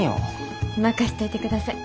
任しといてください。